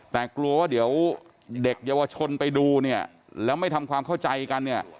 แต่กลัวว่าเดี๋ยวเด็กเยาวชนไปดูเนี่ยแล้วไม่ทำความเข้าใจกันเนี่ย